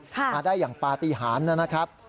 มาได้อย่างปฏิหารนะครับ